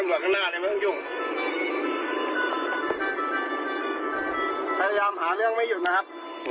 พยายามหาเรื่องไม่หยุดนะครับ